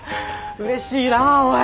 うれしいなぁおい。